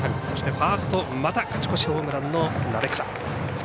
そしてファーストまた勝ち越しホームランの鍋倉。